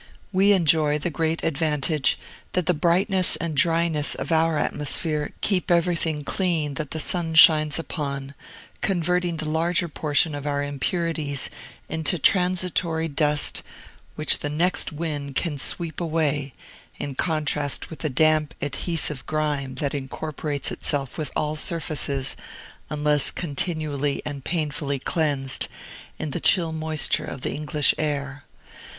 We enjoy the great advantage, that the brightness and dryness of our atmosphere keep everything clean that the sun shines upon, converting the larger portion of our impurities into transitory dust which the next wind can sweep away, in contrast with the damp, adhesive grime that incorporates itself with all surfaces (unless continually and painfully cleansed) in the chill moisture of the English air.